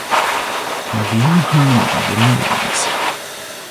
Have you heard the news?